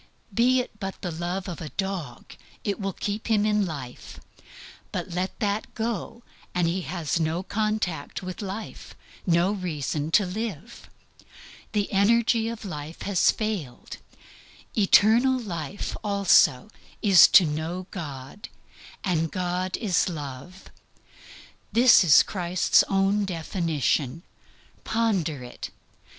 Be it but the love of a dog, it will keep him in life; but let that go, he has no contact with life, no reason to live. He dies by his own hand. Eternal life also is to know God, and God is love. This is Christ's own definition. Ponder it.